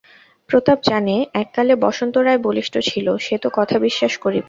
প্রতাপ জানে, এককালে বসন্ত রায় বলিষ্ঠ ছিল, সে তোর কথা বিশ্বাস করিবে।